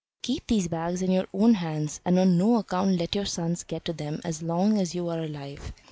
Keep these bags in your own hands, and on no account let your sons get to them as long as you are alive.